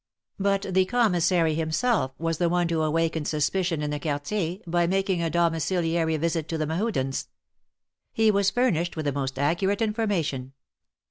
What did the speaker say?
But the Commissary himself was the one to awaken suspicion in the Quartier by making a domiciliary visit to the Mehudens. He was furnished with the most accurate information.